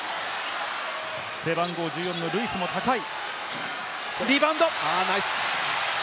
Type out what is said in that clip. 背番号１４のルイスも高い。